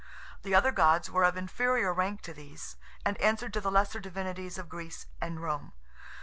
The other gods were of inferior rank to these, and answered to the lesser divinities of Greece and Rome.